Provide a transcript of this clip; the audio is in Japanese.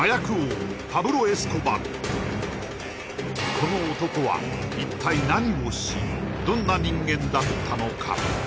この男は一体何をしどんな人間だったのか？